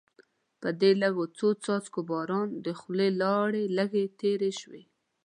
په دې لږو څو څاڅکو باران د خولې لاړې لږې تېرې شوې.